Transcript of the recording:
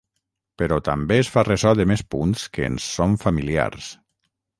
Però també es fa ressò de més punts que ens són familiars.